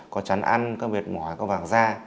có chắn ăn có miệt mỏi có vàng da